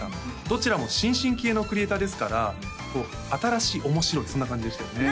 どちらも新進気鋭のクリエーターですから新しい面白いそんな感じでしたよね